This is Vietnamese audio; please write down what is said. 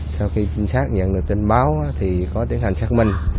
sau khi chính xác nhận được tin báo thì có tiến hành xác minh